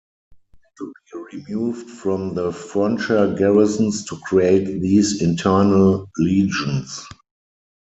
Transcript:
Men had to be removed from the frontier garrisons to create these internal legions.